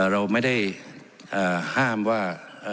เราไม่ได้ห้ามว่า